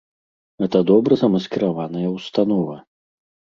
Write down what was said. Гэта добра замаскіраваная ўстанова.